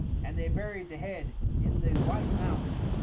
And they buried the head in the White Mount.